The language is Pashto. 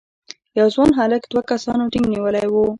یو ځوان هلک دوه کسانو ټینک نیولی و.